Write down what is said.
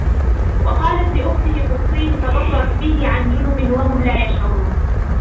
وَقَالَتْ لِأُخْتِهِ قُصِّيهِ فَبَصُرَتْ بِهِ عَنْ جُنُبٍ وَهُمْ لَا يَشْعُرُونَ